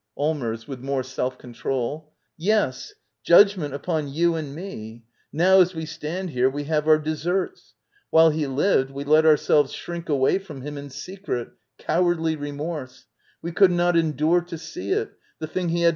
Allmers. [With more self control.] Yes. ^. Judgment upon you and me. Npw^. a? J?S?— §^2tfid here, we have our deserts, Whi1<» he liVe/l^ iim.J#»» •^\ ourselves shrink .awaxfriMO him..in seciet, «owardly , remorse._We could not jndu]r.c .to.see. it — the thing he had